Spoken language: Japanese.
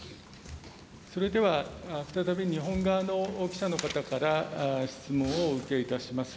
それでは再び、日本側の記者の方から質問をお受けいたします。